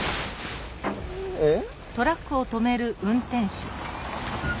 えっ？